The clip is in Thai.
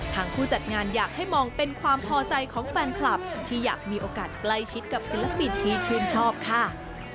ผู้จัดงานอยากให้มองเป็นความพอใจของแฟนคลับที่อยากมีโอกาสใกล้ชิดกับศิลปินที่ชื่นชอบค่ะ